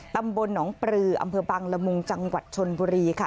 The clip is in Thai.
ตำบลหนองปลืออำเภอบังละมุงจังหวัดชนบุรีค่ะ